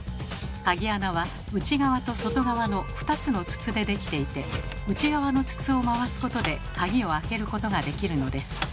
鍵穴は内側と外側の２つの筒で出来ていて内側の筒を回すことで鍵を開けることができるのです。